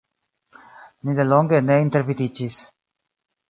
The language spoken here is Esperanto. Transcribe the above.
Ni delonge ne intervidiĝis.